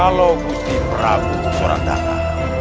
kalau ustik prabu sorandaka